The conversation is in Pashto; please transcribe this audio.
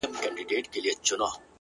لیوني ته گورئ” چي ور ځغلي وه سره اور ته”